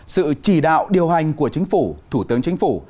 sự chỉ đạo điều hành của chính phủ thủ tướng chính phủ